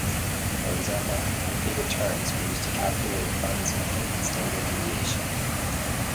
For example, monthly returns are used to calculate a fund's mean and standard deviation.